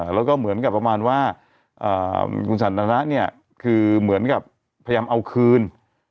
แล้วก็เหมือนกับประมาณว่าคุณสันทนะเนี่ยคือเหมือนกับพยายามเอาคืน